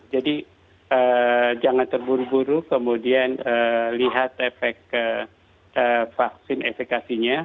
jadi jangan terburu buru kemudian lihat efek vaksin efekasinya